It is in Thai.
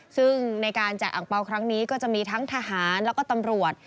ซึ่งในการแจกอังเปล่าครั้งนี้ก็จะมีทั้งทหารแล้วก็ตำรวจ